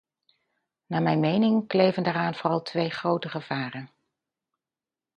Naar mijn mening kleven daaraan vooral twee grote gevaren.